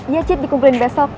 iya cid dikumpulin besok